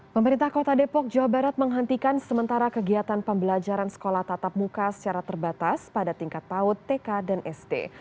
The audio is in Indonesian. pemerintah kota depok jawa barat menghentikan sementara kegiatan pembelajaran sekolah tatap muka secara terbatas pada tingkat paut tk dan sd